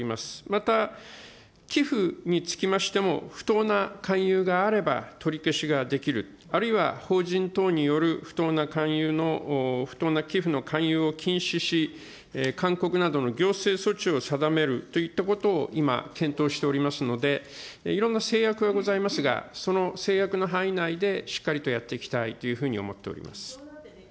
また寄付につきましても、不当な勧誘があれば取り消しができる、あるいは法人等による不当な勧誘の不当な寄付の勧誘を禁止し、勧告などの行政措置を定めるといったことを今、検討しておりますので、いろんな制約がございますが、その制約の範囲内で、しっかりとやっていきたいというふうに思っております。